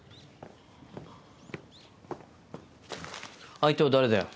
相手は誰だよ？